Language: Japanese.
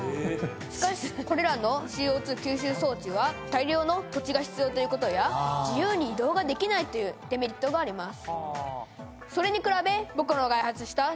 しかしこれらのＣＯ２吸収装置は大量の土地が必要ということや自由に移動ができないというデメリットがあります